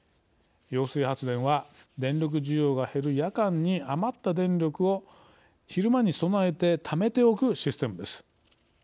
揚水発電は電力需要が減る夜間に余った電力を昼間に備えてためておくシステムです。